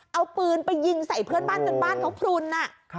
เอาปืนไปยิงใส่เพื่อนบ้านจนบ้านเขาพลุน